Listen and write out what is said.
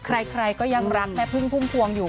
ใครก็ยังรักแม่พึ่งพุ่มพวงอยู่